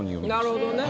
なるほどね。